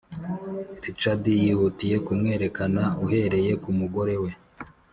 richards yihutiye kumwerekana uhereye kumugore we.